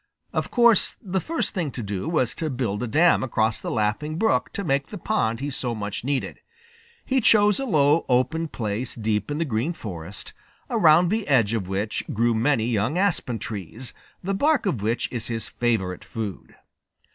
Of course the first thing to do was to build a dam across the Laughing Brook to make the pond he so much needed. He chose a low open place deep in the Green Forest, around the edge of which grew many young aspen trees, the bark of which is his favorite food.